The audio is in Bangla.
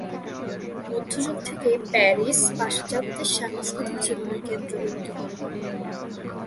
মধ্যযুগ থেকেই প্যারিস পাশ্চাত্যের সাংস্কৃতিক জীবনের কেন্দ্রবিন্দু।